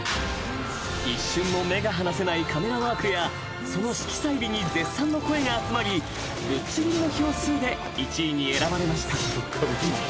［一瞬も目が離せないカメラワークやその色彩美に絶賛の声が集まりぶっちぎりの票数で１位に選ばれました］